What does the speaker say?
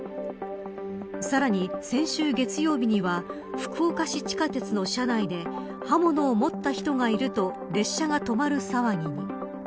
さらに先週月曜日には福岡市地下鉄の車内で刃物を持った人がいると列車が止まる騒ぎに。